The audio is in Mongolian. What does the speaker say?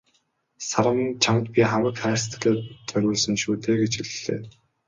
"Саран минь чамд би хамаг хайр сэтгэлээ зориулсан шүү дээ" гэж хэллээ.